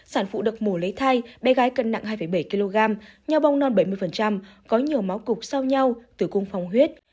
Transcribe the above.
sản phụ được mổ lấy thai bé gái cân nặng hai bảy kg giao bong non bảy mươi có nhiều máu cục sau nhau tử cung phong huyết